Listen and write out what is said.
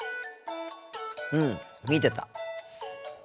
うん見てた。